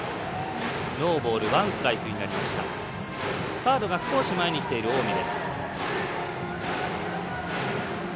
サードが少し前に来ている近江。